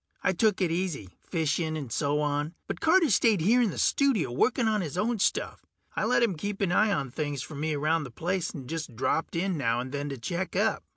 I took it easy, fishing and so on, but Carter stayed here in the studio working on his own stuff. I let him keep an eye on things for me around the place, and just dropped in now and then to check up.